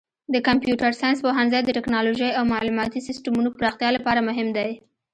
د کمپیوټر ساینس پوهنځی د تکنالوژۍ او معلوماتي سیسټمونو پراختیا لپاره مهم دی.